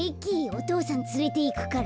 お父さんつれていくから。